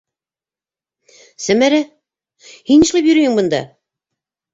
Сәмәрә?! һин нишләп йөрөйһөң бында?